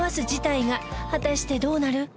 果たしてどうなる？